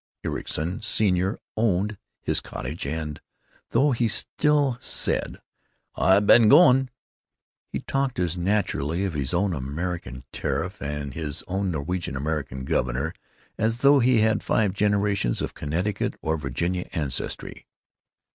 Ericson senior owned his cottage and, though he still said, "Aye ban going," he talked as naturally of his own American tariff and his own Norwegian American Governor as though he had five generations of Connecticut or Virginia ancestry.